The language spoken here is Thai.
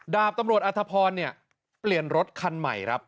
ดาบตำรวจอธพรเปลี่ยนรถคันใหม่ครับ